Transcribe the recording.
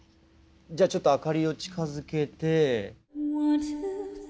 じゃあちょっと明かりを近づけて。